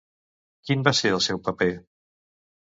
Quin va ser el seu paper?